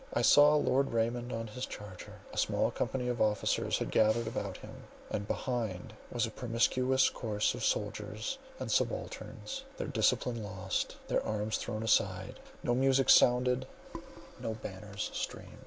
I saw Lord Raymond on his charger; a small company of officers had gathered about him; and behind was a promiscuous concourse of soldiers and subalterns, their discipline lost, their arms thrown aside; no music sounded, no banners streamed.